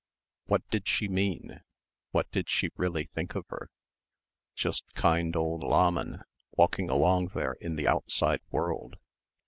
What did she mean? What did she really think of her? Just kind old Lahmann walking along there in the outside world....